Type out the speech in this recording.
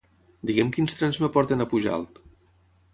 Digue'm quins trens em porten a Pujalt.